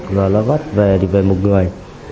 rồi nó bắt về thì về một người